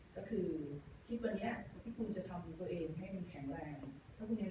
ก็คือคิดวันนี้พี่ปูจะทำตัวเองให้มันแข็งแรง